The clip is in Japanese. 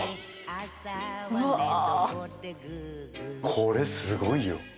これすごいよ。